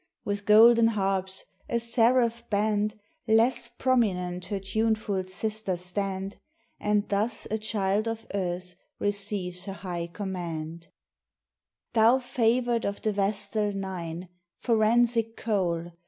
With golden harps a seraph band, Less prominent her tuneful sisters stand And thus a child of earth receives her high command: "Thou, favoured of the Vestal Nine; Forensic Cole!